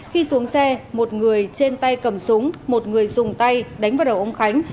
khi xuống xe một người trên tay cầm súng một người dùng tay đánh vào đầu ông khánh